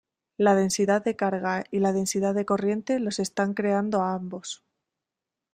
La densidad de carga y la densidad de corriente los están creando a ambos.